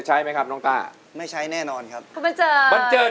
ใช้ไหมครับน้องต้าไม่ใช้แน่นอนครับคุณบันเจิดบันเจิด